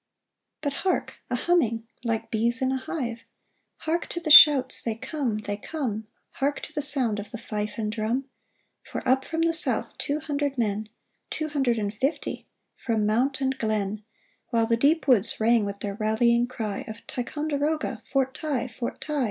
But hark ! a humming, like bees in a hive ; Hark to the shouts —" They come ! they come !" Hark to the sound of the fife and drum ! For up from the south two hundred men — Two hundred and fifty — from mount and glen. While the deep woods rang with their rallying cry Of " Ticonderoga ! Fort Ti ! FortTi!"